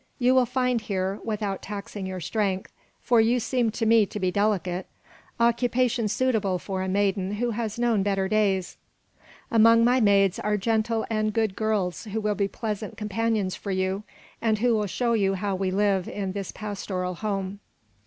"You will find here, without taxing your strength, for you seem to me to be delicate, occupation suitable for a maiden who has known better days; among my maids are gentle and good girls who will be pleasant companions for you, and who will show you how we live in this pastoral home.